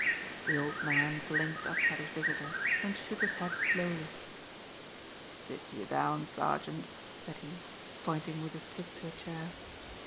The old man blinked up at his visitor, and shook his head slowly. "Sit ye down, sergeant," said he, pointing with his stick to a chair.